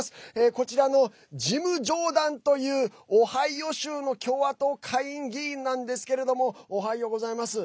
こちらのジム・ジョーダンというオハイオ州の共和党下院議員なんですけれどもおはよございます。